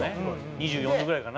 「２４度ぐらいかな？